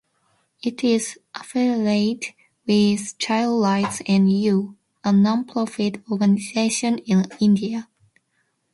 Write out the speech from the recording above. It is affiliated with Child Rights and You, a non-profit organization in India.